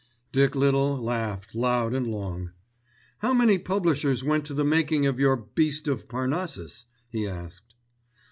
Dick Little laughed loud and long. "How many publishers went to the making of your Beast of Parnassus?" he asked.